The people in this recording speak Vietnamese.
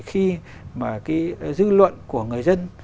khi mà cái dư luận của người dân